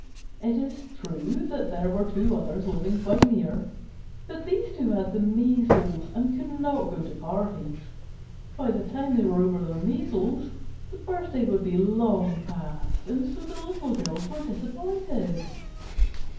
It is true that there were two others living quite near, but these two had the measles and could not go to parties. By the time they were over the measles, the birthday would be long past, and so the Little Girls were disappointed.